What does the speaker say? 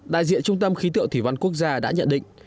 đại diện trung tâm khí tượng thủy văn quốc gia đã nhận định